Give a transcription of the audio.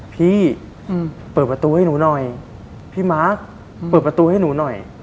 พี่เปิดประตูให้หนูหน่อยพี่มาร์คเปิดประตูให้หนูหน่อย